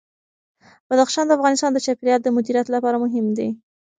بدخشان د افغانستان د چاپیریال د مدیریت لپاره مهم دي.